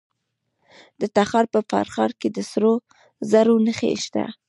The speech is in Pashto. د تخار په فرخار کې د سرو زرو نښې شته.